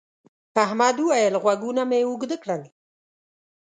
احمد وويل: غوږونه مې اوږده کړل.